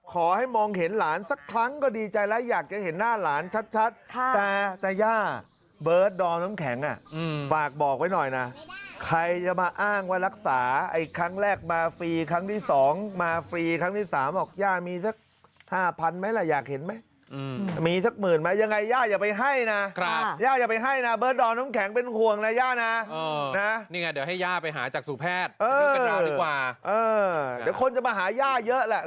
ขอให้มองเห็นหลานสักครั้งก็ดีใจแล้วอยากจะเห็นหน้าหลานชัด